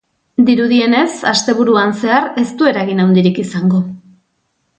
Dirudienez, asteburuan zehar ez du eragin handirik izango.